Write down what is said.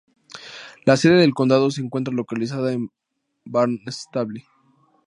La sede del condado se encuentra localizada en Barnstable.